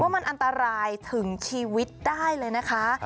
มันอันตรายถึงชีวิตได้เลยนะคะ